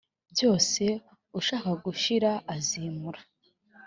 Boshye ushaka gushira azimura